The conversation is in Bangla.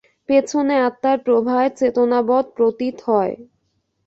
পেছনে আত্মার প্রভায় চেতনবৎ প্রতীত হয়।